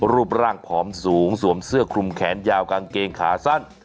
รูปร่างผอมสูงสวมเสื้อคลุมแขนยาวกางเกงขาสั้น